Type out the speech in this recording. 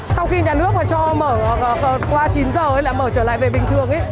sau khi nhà nước cho mở qua chín h mở trở lại về bình thường